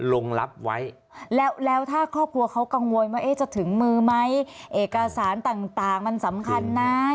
ลงรับไว้แล้วแล้วถ้าครอบครัวเขากังวลว่าจะถึงมือไหมเอกสารต่างมันสำคัญนะ